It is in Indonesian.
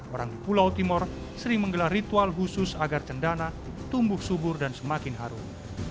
orang di pulau timur sering menggelar ritual khusus agar cendana tumbuh subur dan semakin harum